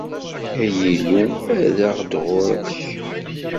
Ay Illu, err-aɣ-d ɣur-k!